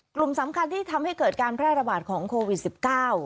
กลุ่มสำคัญที่ทำให้เกิดการแพร่ระบาดของโควิดสิบเก้า